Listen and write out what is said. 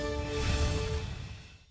ya itu pak jokowi